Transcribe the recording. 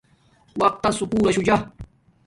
وقت تس سلول لشو جا